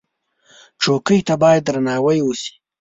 چوکۍ ته باید درناوی وشي.